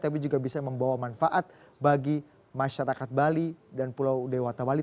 tapi juga bisa membawa manfaat bagi masyarakat bali dan pulau dewata bali